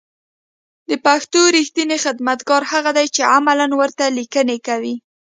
د پښتو رېښتينی خدمتگار هغه دی چې عملاً ورته ليکنې کوي